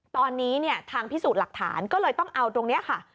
ตอนนี้เนี่ยทางพิสูจน์หลักฐานก็เลยต้องเอาตรงนี้ค่ะ